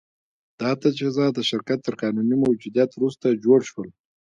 دا تجهیزات د شرکت تر قانوني موجودیت وروسته جوړ شول